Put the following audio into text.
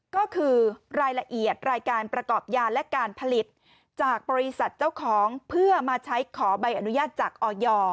ก็คือรายละเอียดรายการประกอบยาและการผลิตจากบริษัทเจ้าของเพื่อมาใช้ขอใบอนุญาตจากออย